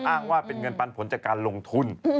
อ้างว่าเป็นเงินปันผลจากการลงทุน